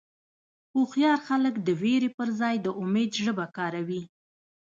هوښیار خلک د وېرې پر ځای د امید ژبه کاروي.